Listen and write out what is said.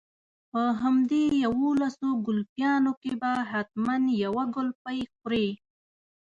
په همدې يوولسو ګلپيانو کې به حتما يوه ګلپۍ خورې.